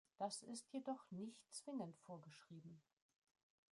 Das ist jedoch nicht zwingend vorgeschrieben.